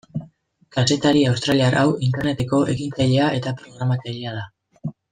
Kazetari australiar hau Interneteko ekintzailea eta programatzailea da.